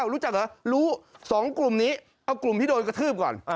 รู้จักเหรอรู้๒กลุ่มนี้เอากลุ่มที่โดนกระทืบก่อน